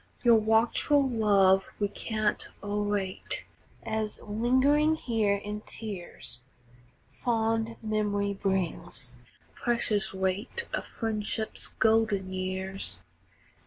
Your watchful love we can't o'errate, As, lingering here in tears, Fond memory brings the precious weight Of friendship's golden years.